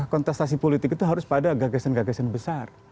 kontestasi politik itu harus pada gagasan gagasan besar